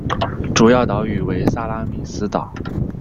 主要岛屿为萨拉米斯岛。